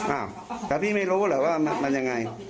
อ้าวแต่พี่ไม่รู้เหรอว่ามันยังไง